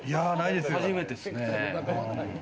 初めてですね。